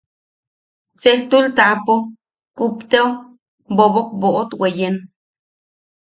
Sejtul taʼapo kupteo bobok boʼot weyen.